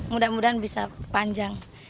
mudah mudahan bisa panjang